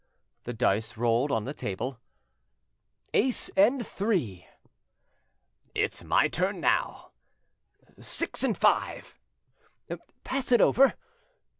The dice rolled on the table. "Ace and three." "It's my turn now. Six and five." "Pass it over.